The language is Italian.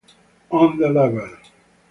On the Level